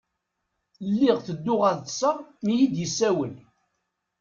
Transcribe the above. Lliɣ tedduɣ ad ṭṭṣeɣ mi i iyi-d-yessawel.